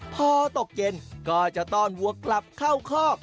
พอตกเย็นก็จะต้อนวัวกลับเข้าคอก